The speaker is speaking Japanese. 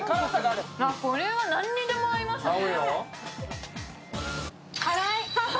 あ、これは何にでも合いますね！